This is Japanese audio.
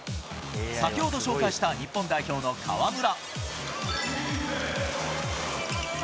先ほど紹介した日本代表の河村。